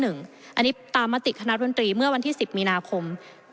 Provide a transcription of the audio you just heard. อันนี้ตามมติคณะดนตรีเมื่อวันที่๑๐มีนาคม